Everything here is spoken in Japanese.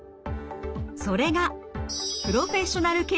それがプロフェッショナルケアです。